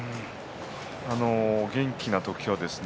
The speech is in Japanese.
元気な時はですね